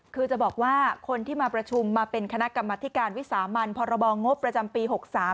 คือจะบอกว่าคนที่มาประชุมมาเป็นคณะกรรมธิการวิสามันพรบงบประจำปี๖๓